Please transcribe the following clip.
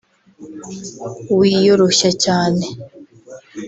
wiyoroshya cyane